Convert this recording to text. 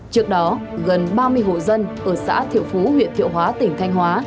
trước đó gần ba mươi hộ dân ở xã thiệu phú huyện thiệu hóa tỉnh thanh hóa